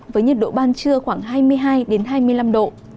với nhiệt độ ban trưa khoảng hai mươi hai hai mươi năm độ